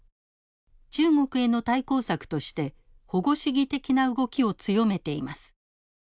中国への対抗策として保護主義的な動きを強めています。